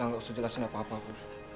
udah gak usah jelasin apa apa bud